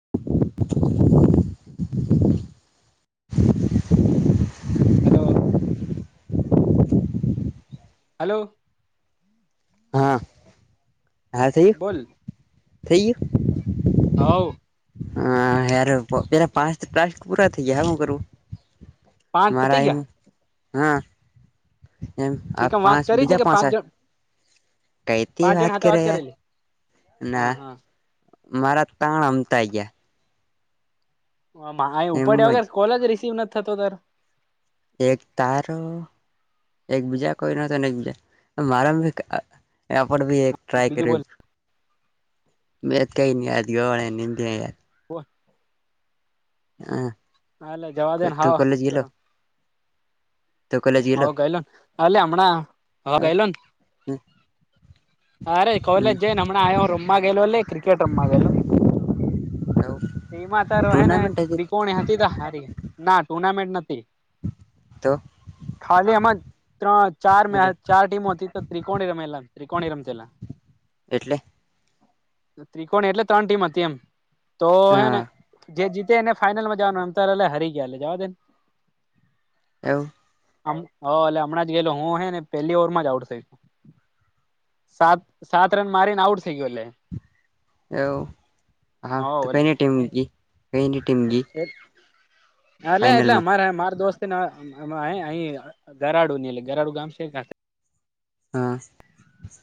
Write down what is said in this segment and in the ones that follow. . Hello- hello. હા હા બોલ થઈયું થઈ ગયું. [inaudible] હા હયાર પેલા [unintelligible] પૂરા થઈ ગયા હ હું કરું. પાંચ પતી મારા ગયા [unintelligible] હા. એમ આ કે કેમ વાત પાંચ કરી હતી બીજા કે પાંચ. જણ કઈતી પાંચ જણ વાત હાથે કરે યાર કરેલી હા ના. મારા તણ અમતાઈ ગયા. [unintelligible] ગયા એમ ઉપડ્યા જ વગર કોલ જ રિસીવ ન થતો તાર. એક તારો એકબીજા કોઈ નતો એકબીજા [inaudible] આપ બી એક ટ્રાય કર બીજું મે કઈ [inaudible] [inaudible] [inaudible] હા [unintelligible] જવાબ દેન તું હાવ કોલેજ કર. ગેલો તું કોલેજ [inaudible] હ ગેલો હમણાં હ ગાઈલોન. અરે કોલેજ જઈ ને હમણાં [unintelligible] રૂમમાં ગયેલો લે. ક્રિકેટ રમમાં ગયેલો ઈમાં તારો હેને ટુર્નામેન્ટ હતી બિકોણી હતી ત હારી ના ટુર્નામેન્ટ નતી. તો ખાલી એમજ ત્રણ ચાર મે ચાર ટીમો હતી તો ત્રિકોણી રમેલા ત્રિકોણી રમચેલા એટલે ત્રિકોણી એટલે ત્રણ ટીમ હતી એમ તો હે હા ને જે જીતે એને ફાઈનલમાં જવાનું અંતર એલે હરી ગયા એલે જવા દેને. [unintelligible] એલે હમણાં [unintelligible] હું હે ને પેલી ઓવરમાં જ આઉટ થઈશું. સાત સાત રન મારીને આઉટ થઈ ગયો એટલે એવ હા [unintelligible] હવ કઈને ટીમ એટલે ગ કઈને ટીમ ગ [unintelligible] એટલે અમારે મારે દોસ્ત. અહી ગરાડુ ની ગરાડુ ગામ છે [unintelligible] હા.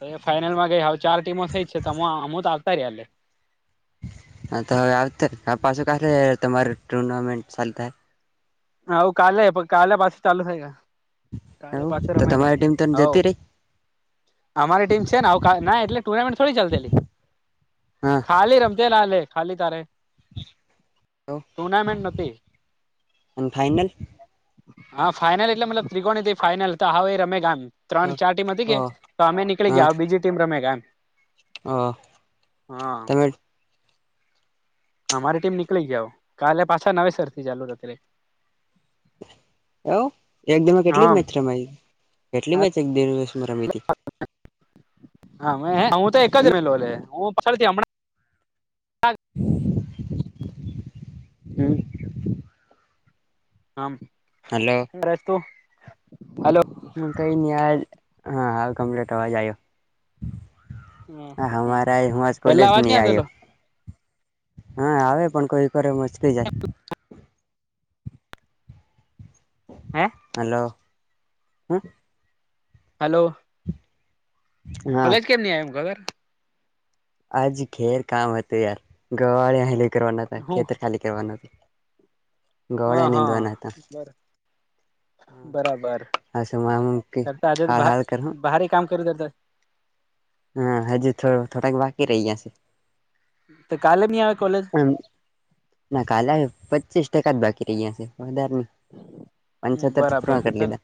તો ફાઈનલમાં ગઈ હવે ચાર ટીમો થઈ જ છે તમ અમુ તો આવતાર્યા એલે હા તો હવે આવતર હવે પાછું કારથી તમારું ટુર્નામેન્ટ ચાલ થા હઉ કાલે કાલે પાછી ચાલુ થય ગા કાલે એવું પાછું તો રમાય તમારી ટીમ તો ના હઓ જતી રહી અમારી ટીમ છે ને આવકા ના એટલે ટુર્નામેન્ટ થોડી ચાલતીલી હા ખાલી રમજે લા લે ખાલી તારે હઓ ટુર્નામેન્ટ નથી ફાઈનલ. હા ફાઈનલ એટલે મતલબ ત્રિકોણી થી ફાઈનલ તો હાઓ એ રમેગા હ ત્રણ ચાર ટીમ હતી કે હ તો અમે નીકળી હા ગ્યા બીજી ટીમ રમે ગમેગા હ હા. તમે અમારી ટીમ નીકળી ગ્યા ઓ કાલે પાછા નવેસર થી ચાલુું રંગ રે એવુ એક દી માં કેટલી હમ મેચ રમાય કેટલી મેચ એક દિવસ હા હું તો એક હમ જમેલો લે હું પાછળ થી હમણાં [inaudible] હમ્મ. આમ હલો. પરતુ હલો. હું કઈ ની આજ હા હા કમ્પ્લેટ અવાજ આયો. આહા હમ મારે આજે મોજ પેલા કોલેજ અવાજ ની નહી આવતોલો આયો. હા આવે પણ કોઈ વારય મચકાઈ જાય. હે હલો હ હલો. હા કોલેજ કેમ ની આયો ઘઘર આજ ઘેર કામ હતું યાર ગવાળીયા હેલી કરવાના હતા હું ખેતર ખાલી કરવાનું હતું. હા ગાવળીયા હા નીંદવાના હતા. બર બરાબર આજ [unintelligible] કિક હાલ હાલ કર હો કરીદેતા હા હજી થો થોડાક બાકી રહીયા ગ્યા છે. તો કાલે ની આવે કોલેજ. ના કાલે આયો પચીસ ટકા જ બાકી રહ્યા છે વધાર નઈ પંચતેર થ બરાબર પૂરા કર લીધા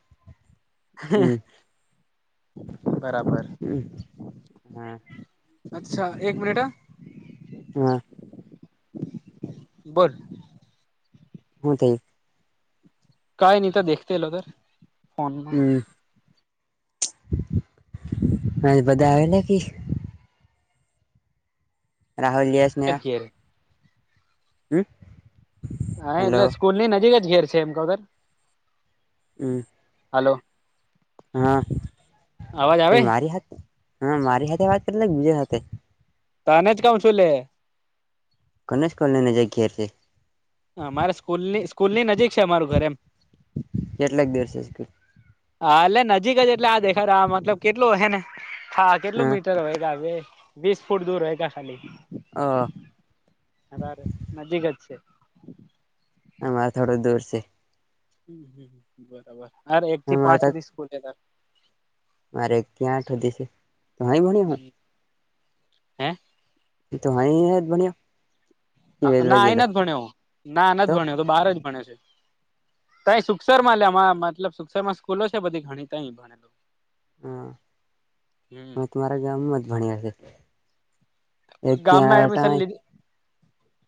[inaudible] બરાબર હમ્મ હા. અચ્છા એક મિનટ હ હા. બોલ હું થયું કઈ નહી તો દેખતે લગા ફોનમાં. હમ હાજ બધા આયા ન કિ. રાહુલ સ [inaudible] હમ્મ. હા એટલે સ્કૂલ ની નજીક જ ઘેર છે એમ [unintelligible] હમ્મ. હલો. હ કઈ મારી હા મારી હાથે વાત કર ને બીજા હાથે તને જ કઉ છું લે ગણેશ કલેને જાય ઘર છે હ મારે સ્કૂલ ની સ્કૂલ ની નજીક છે અમારું ઘરે એમ. કેટલાક દિવસે હા એટલે નજીક જ એટલે આ દેખા આ મતલબ કેટલું હે ને. હા કેટલું મીટર હોય ગ વીસ ફૂટ દૂર હોય ખાલી હા અરા ર નજીક જ છે અમારે થોડું દૂર છે. બરાબર હર એક થી અમારે પાંચ તો સુધી સ્કૂલે તાર મારે ત્યાં આઠી છે તોય ભણ્યો હે એ તો હ હ બણિયા [unintelligible] ના અહી નથી ભણ્યો ના નથી ભણ્યો તો બહાર જ ભણે છે. ત સુક્ષસર માં લેમાં મતલબ સુક્ષસરમાં સ્કૂલો છે બધી ઘણી ત ભણેલું હા હમ હું તમારા ગામમાં જ ભણ્યા છે એ ગામમાં ત્યાં.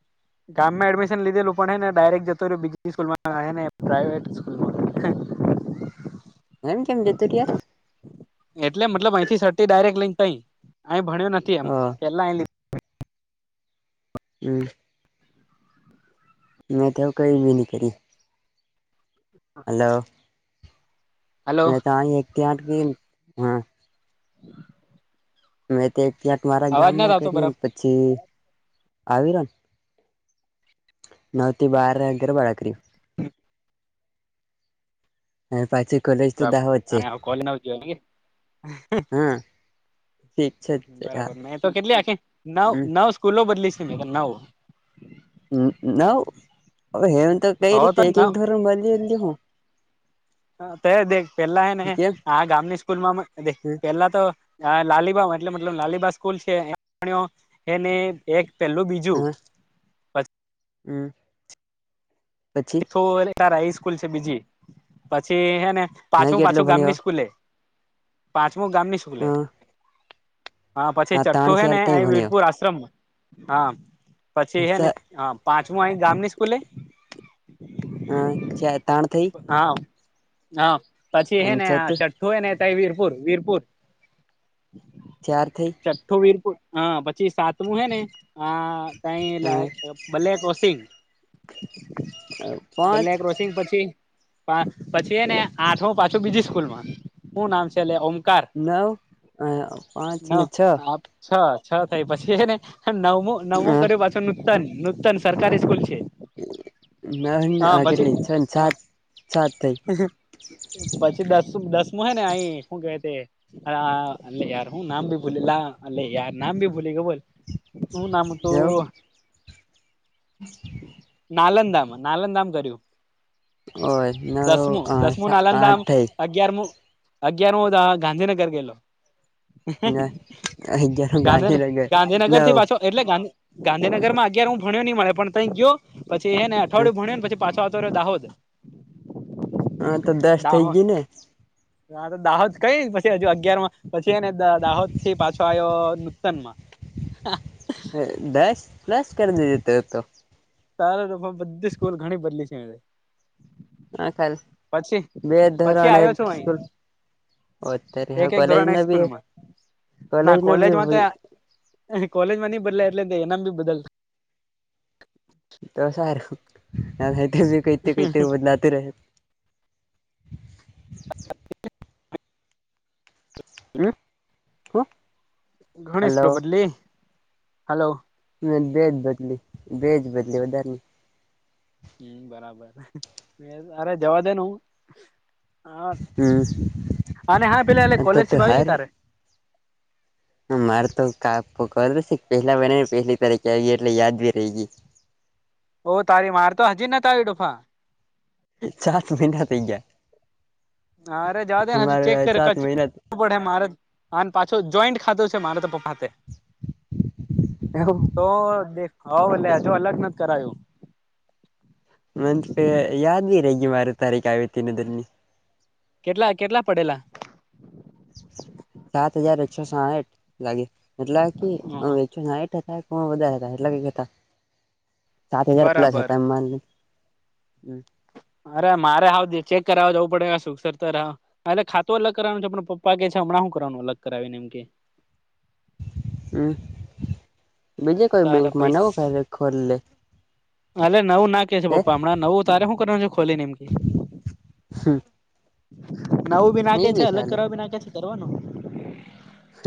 [inaudible] ગામ માં એડમિશન લીધેલું પણ હે ને ડાયરેક્ટ જતો રહ્યો બીજી સ્કૂલમાં હ ને પ્રાઇવેટ સ્કૂલમાં એમ કેમ જતો યાર એટલે મતલબ અહીંથી સટી ડાયરેક્ટ લ‌ઇ ત‌ઈ અ એય ભણ્યો નથી એમ યાર પેલા. લીધું. હમ મે તો હ કઈવી ન કરીરી હલો હલો મેં તો આ એક કે આઠ હા [inaudible] મેં તો ક્યાંક મારા અવાજ નથી ગામમાં આવતો કર્યુંને પછી આવી રહ્યો ને નવથી બાર ઘરવાળા એ કર્યું. અને પાછી કોલેજ તો દાહોદ છે બબર કોલી ના જોવા હા ઠીક છે [inaudible] યાર બરાબર મે તો કેટલી આખી નવ હમ નવ. સ્કૂલો બદલીશ સે નવ. હમ નાવેવંત કઈ હો રીતે તો [inaudible] એક એકક નવ ધોર બલી એ દ હ તો દે પેલાને કેમ આ ગામની સ્કૂલમાં પેલા તો લાલીબા મતલબ મતલબ લાલબા સ્કૂલ છે એ એને એક પેલું બીજું હા હમ પછી હાઈ સ્કૂલ છે બીજી પછી હે ને હા પાછમું કેટલો પાછું ગામની ભણ્યો સ્કૂલે પાંચમું ગામની સ્કૂલે. હા હા પછી ત્રણ ચઠ્ઠું હે ચાર ને અ ત ભણ્યો વીરપુર આશ્રમમાં હા પછી હે ને હા પાંચમું અ ગામની સ્કૂલે. [inaudible] હ છ તાણ થઈ હા હા પછી હે અને ને છત આ ચ ઠો એ ને વીરપુર વીરપુર ચાર થઈ છઠઠું વીરપુર હ પછી સાતમું હે ને આ કઈ લ ભલે કોસિંગ હ [unintelligible] બલ્યા ક્રોષ પ પછી એને આઠમ પાછું બીજી સ્કૂલમાં શું નામ છે એલે ઓમ નવ અ પાંચ ન ને છ છ છ થાય પછી એને નવમું નવમું કર્યું પાછળ. નતન નૂતન સરકારી સ્કૂલ છે ના હા આ પછી કેટલી છે ને હા સાત સાત થઈ પછી દસ દસમું હે ને અહી શું કે તે હા અ ાર હ નામ ભી ભૂલીલા અલ્ ાર નામ ભી ભૂલી ગ બોલ શું નામ હતું હમ નાલધામ નાલંદધામ કર્યું એવું દસમું નવ દસમું નાલંદધામ આઠ થઈ અગિયાર મુ અગિયાર મુ તો ગાંધીનગર ગેલો અગિયાર ગાંધી લગ ગાંધીનગર થી નવ પાછો એટલે ગાી ગાંધીનગરમાંગિયાર હું ભણ્યો નહી મળે પણ તંઈ ગયો પછી એને અઠવાડિયેણ્યો પછ પાછો દાહોદ હા તો દસ થઈ દાહોદ ગય ને હા તો દાહોદ કઈ પછી હજુ અગિયાર માં પછીને દાહોદ થી પાછો આવ્યો નૂતન માં દસ દસ કર જતો તો તારે તો બધી સ્કૂલ ઘણી બદલી છે હા ખાલી પછી બે પછી ધોરણ આવ્યો એક છું અહી સ્કૂલ અત્યારે એક હા એક કોલેજ ધોરણ ન બી સ્કૂલમાં ના કોલેજ ન કોલેજમાં બી હ કોલેજ મની બદલા એટલે એમ બી બદલ [inaudible] તો સારુંહ કૈ તે કૈ તે બદલાતું રહે હ હબ ગણેશ પ્ર બદલી હલો બેજ બદલી બેજ બદલી વધારેની હમ બરાબર અરે જવા દેને હું હા હમ અને હા પેલા એ તો કોલેજ તું આવી હાર ગઈ તારે મારે તો કાકકશે પહેલા બનેને પહેલી તારીકે આવી એટલે યાદ બ રહી ગઈ ઓ તારી મારતો હજી નાને તારી ડુફા ચસ મ તયા હારે જદેન હજ મારે ચેક કર સાત ક ું મહિના પડે મારે પાછો જોઈન્ટ ખાતોું છે મારે તો પપ્પા એો તો દે ભલે હજુ અલગ નથી કરાયું મંતપેયાદીી ર ગ મારો તારીખ આવીતે દ નની કેટલા કેટલા પડેલા સાત હજાર એકસો સાહઠ લાગે મતલબ કે એકસો સાહીઠ હતા હ બધા હતા એટલા કકતા સાત હજાર પ્લસ બરાબર હતા એમ મા હમ અરે મારે હ ચેક કરાવવા જવું પડે સુસર તો હ એટલે ખાું અલગ કરવાનું છે આપડ પપ્પા કે છે હમણા શું કરવાનું અલગાવી ને એમ કે હમ બીજે તારા બેંકમાં નવ ખા પૈસા ખોલ લે અરે નવું ના કે છે હે પપ્પા હમણાં નવું તારે શું કરવાનું છે ખોલીને એમ કે નવું ભી નહી નાકે છે બી અલગ ચાલે કરવા ભી નાકેછે કરવાનું હું હ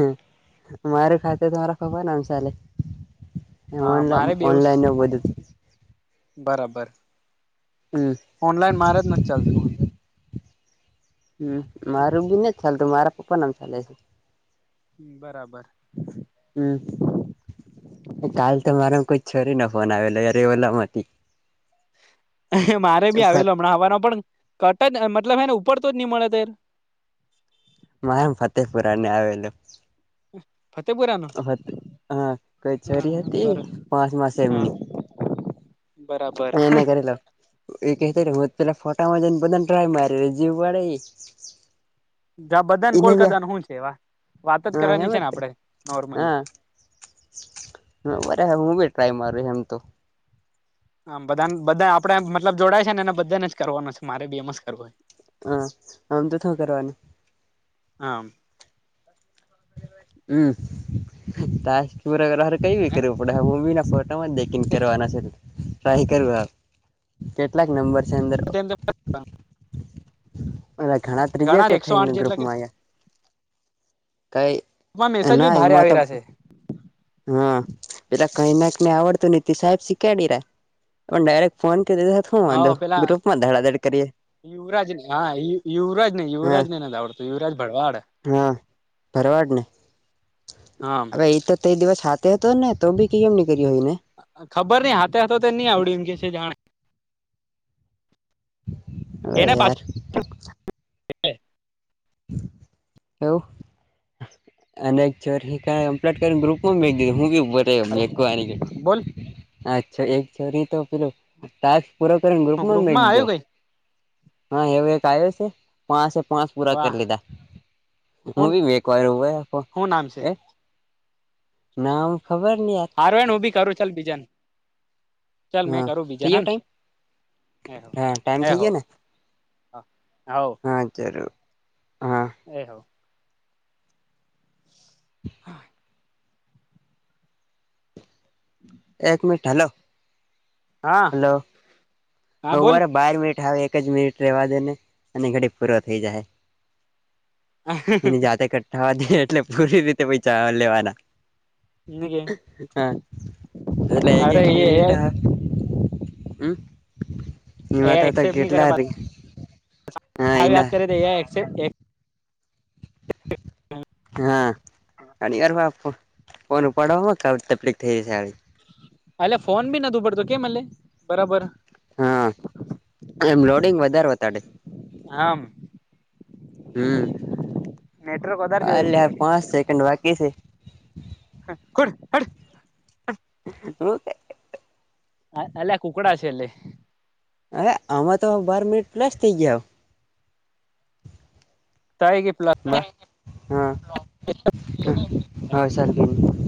મારું ખાતે તમારા ખબર નામ ચાલે હા મારે બી એવું ઓનલાઈન બધું બરાબર હમ ઓનલાઈન મારે જ નથી ચાલતું હ હ મારું બી નથી ચલતું મારા પપ્પા નામ ચાલે છે હ બરાબર હમ કાલ તો મારા કોઈ છોરી ના ફોન આવેલો ય ઓલમ હતી મારે બી આવેલો હમણાં હવાનો પણ કટ જ મતલબ હને ઉપર તો જ નહી મળે તયાર મા એમ ફતેહપુરા ને આવેલું હ ફતેહપુરા ન હા કોઈ હા છોરી હ હતી બર પાંચમા હા સેમની બરાબર. અહીંયા ના કરેલો એ કતા હું પેલા ફોટા માં જઈ ને બધાને ડ્રાઈય મારી જીવ વાડે જા બધાને કોલ કરતા શું છે એવા વાત જ હા કરવાની એમ છે ને જ આપડે નોર્મલી હા બરાબર હું બી ટ્રાય માર એમ તો આમ બધાને બધા આપડે મતલબ જોડાય છે ને એને બધાને જ કરવાનો છે મારે બી એમ જ કરવો હોય હા અમ તો થ કરની આમ હમ તકીરારે કઈ ભી કરવીું પડે હું બી ના ફ કરવાના છે ટ્રાય કર કેટલાક નંબર સદરોરો [unintelligible] ઘણા રિજેક્ટ એકસો થઈને આઠ જેટલા કે ગ્રુપમાંં છે આવયા કાઈ માં મેસેજ ભી ભારે આવી રહ્યા છે હા પેલા કઈ ના કને આવડતું નીતિ સાહેબ શીખાડી રા પણ ડાયરેક્ટ ફોન કરી દીધ હું વાંધો ગ્રુપ માં ધડાધડ કરીએ યવરાજ ને હાય યવરાજ ને હા યુરાજને આવડત યુરાજ ભડવાડ હા ભરવાડ ને હા હવે એ તો તે એ દિવસ સાથેહતો ને તો બી ક એમ નીક્યું હોય ને ખબર નહી હાતે હા તો નઈ આવડે એમ કે છે જાણે એને પાછ હવેયાર એવુ અનેક ચોર હ ક કમ્પ્લેટ કરીને ગ્રુપમાં મે દ હું બ મવા બોલ આ એકરી તોે પૂરા કરીને હું ગ્રુપમાં ના દીધો આવ્યું કઈ હા એવું એક આવ્યો છે પાંચ પાંચ પૂરા કરી વાહ લીધા હું બી મે વાર હોયો હું નામ છે એ નામ ખબર ન યાર હાર હું બી કરું ચાલ બીજન ચાલ મેં હા કરું થઈ બીજન ગયો ટાઈમ હે હા ટાઈમ થઈ એહો ગયો ને એહો હ હા જરૂ હા એ હો હા એક મિનટ હાલો હા હલો હા હ બોલ બર બાર મિનિટ હવે એક જ મનિટ રેવા દેને અને ઘડી પૂરો થઈ જાય એની જાતે કટ થવા દ એટલે પૂરી રીતે પ ચાવ લેવાના હ અરે એ [unintelligible] હમ્મ એ માતા હતા એક્સેપ્ટ નહી કરે ગેટલાાર ર આવી વાત કરીે તોં એક હ હા યાર ફોન ઉપાડવામાં તકલીક થઈ જશે એલે ફોન બી નું પડતો કેમ હ બરાબર હા એમ લોડિંગ વધાર વતાડે હા અમ હમ્મ નેટવર્ક વધારે જોઈશે હલે લાગે પાંચ સેકન્ડ બાકી છે હા હડ હડ હુ કે અ આ કુકડા છે એલે અરે આમાં તો બાર મિનિટ પ્લાસ થઈ ગયા તાય ગ પ્લ બહ હા હ હ સરારખી